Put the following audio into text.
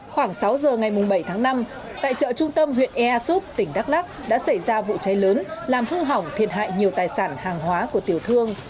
khoảng sáu giờ ngày bảy tháng năm tại chợ trung tâm huyện ea súp tỉnh đắk lắc đã xảy ra vụ cháy lớn làm hư hỏng thiệt hại nhiều tài sản hàng hóa của tiểu thương